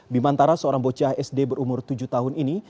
bimantara seorang bocah sd berumur tujuh tahun ini